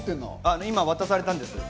今、渡されたんです。